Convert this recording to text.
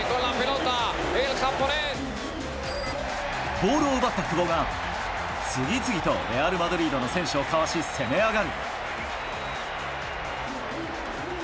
ボールを奪った久保が、次々とレアル・マドリードの選手をかわし攻め上がる。